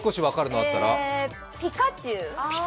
ピカチュウ。